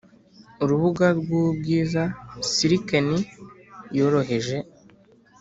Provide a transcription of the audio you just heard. urubuga rwubwiza, silken-yoroheje,